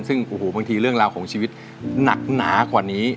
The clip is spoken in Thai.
ซึ่งโอ้โหบางทีเรื่องราวของชีวิตหนักหนากว่านี้